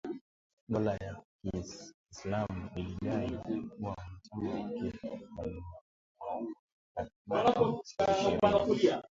Dola ya kiislamu ilidai kuwa wanachama wake waliwauwa takribani wakristo ishirini.